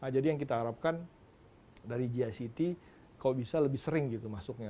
jadi yang kita harapkan dari gict kalau bisa lebih sering masuknya